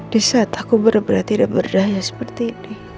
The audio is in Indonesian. di saat aku berbera tidak berdaya seperti ini